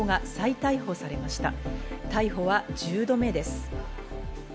逮捕は１０度目です。